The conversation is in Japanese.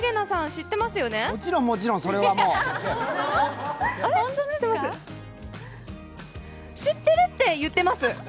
知ってるって言ってます。